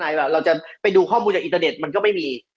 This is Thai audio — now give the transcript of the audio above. เราจะไปดูข้อมูลจากอินเทอร์เน็ตมันก็ไม่มี